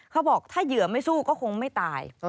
เขาบอกถ้าเหยื่อไม่สู้ก็คงไม่ตาย